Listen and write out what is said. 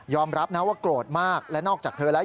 รับนะว่าโกรธมากและนอกจากเธอแล้ว